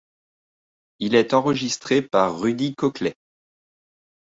Il est enregistré par Rudy Coclet.